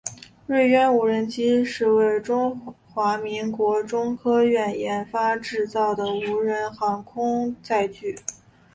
锐鸢无人机是为中华民国中科院研发制造的无人航空载具。